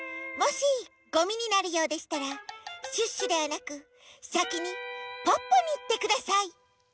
もしゴミになるようでしたらシュッシュではなくさきにポッポにいってください。